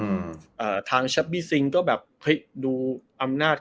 ขั้นมีการไมไหว้เอ่อทางซิงค์ก็แปบเฮ้ดดูอำนาจ